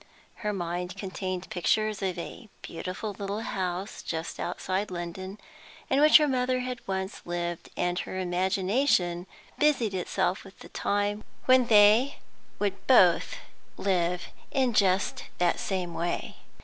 Her mind contained pictures of a beautiful little house just outside London in which her mother had once lived, and her imagination busied itself with the time when they would both live in just that same way.